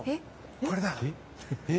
これだ。